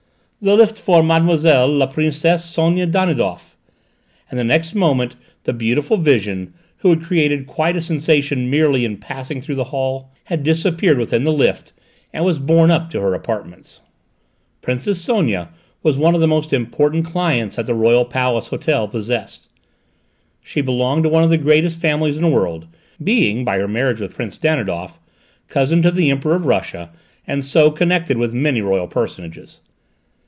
"The lift for Mme. la Princesse Sonia Danidoff," and the next moment the beautiful vision, who had created quite a sensation merely in passing through the hall, had disappeared within the lift and was borne up to her apartments. Princess Sonia was one of the most important clients that the Royal Palace Hotel possessed. She belonged to one of the greatest families in the world, being, by her marriage with Prince Danidoff, cousin to the Emperor of Russia and, so, connected with many royal personages.